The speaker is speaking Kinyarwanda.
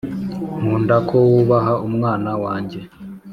nkunda ko wubaha mwana wanjye,